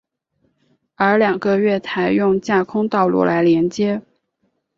而两个月台用架空道路来连接。